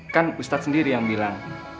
kan ustadz sendiri yang bilang